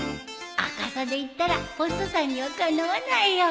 赤さでいったらポストさんにはかなわないよ